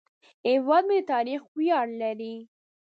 هیواد مې د تاریخ ویاړ لري